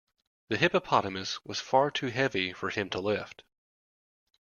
The hippopotamus was far too heavy for him to lift.